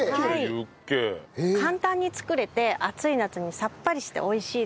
簡単に作れて暑い夏にさっぱりして美味しいです。